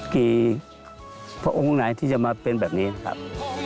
กี่พระองค์ไหนที่จะมาเป็นแบบนี้นะครับ